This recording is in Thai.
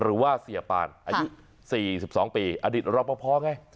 หรือว่าสิระปานอายุสี่สิบสองปีอดิตระปเพาะไง